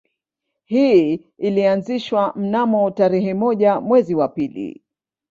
Hii ilianzishwa mnamo tarehe moja mwezi wa pili